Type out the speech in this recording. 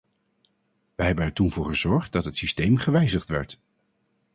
Wij hebben er toen voor gezorgd dat het systeem gewijzigd werd.